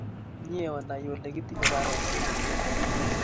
Mye onai ole kitinye paronok che ter ter.